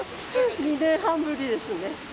２年半ぶりですね。